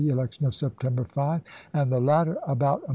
election of September 5 ; and the latter, about a i864.